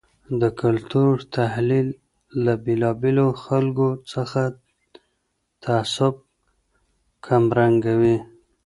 د کلتور تحلیل له بیلابیلو خلګو څخه تعصب کمرنګوي.